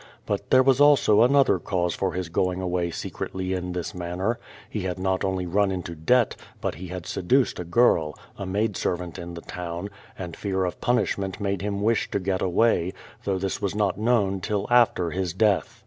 But there was also another cause for his going away secretly in this manner ; he had not only run into debt, but he had seduced a girl, a maid servant in the town, and fear of punishment made him wish to get away, though this was not known till after his death.